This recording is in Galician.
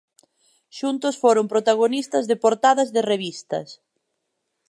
Xuntos foron protagonistas de portadas de revistas.